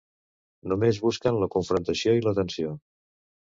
Només busquen la confrontació i la tensió.